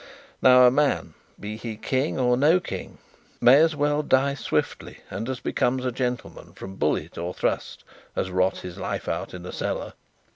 Now a man be he king or no king may as well die swiftly and as becomes a gentleman, from bullet or thrust, as rot his life out in a cellar!